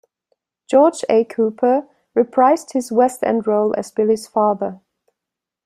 George A. Cooper reprised his West End role as Billy's father.